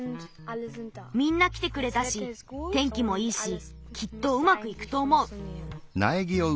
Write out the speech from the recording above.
みんなきてくれたし天気もいいしきっとうまくいくとおもう。